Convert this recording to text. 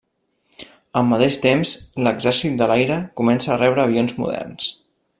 Al mateix temps, l'Exèrcit de l'Aire comença a rebre avions moderns.